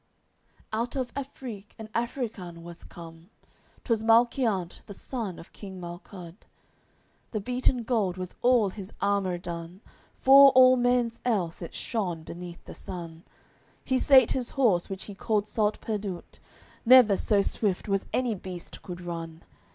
AOI. CXVIII Out of Affrike an Affrican was come, 'Twas Malquiant, the son of king Malcud; With beaten gold was all his armour done, Fore all men's else it shone beneath the sun. He sate his horse, which he called Salt Perdut, Never so swift was any beast could run.